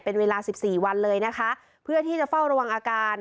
เป็นเวลาสิบสี่วันเลยนะคะเพื่อที่จะเฝ้าระวังอาการ